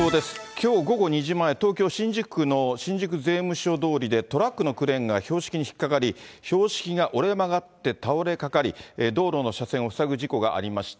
きょう午後２時前、東京・新宿区の新宿税務署通りで、トラックのクレーンが標識に引っ掛かり、標識が折れ曲がって倒れかかり、道路の車線を塞ぐ事故がありました。